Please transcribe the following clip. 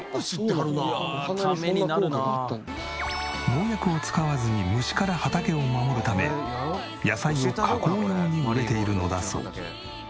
農薬を使わずに虫から畑を守るため野菜を囲うように植えているのだそう。